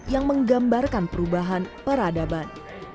yang menggambarkan perubahan peradaban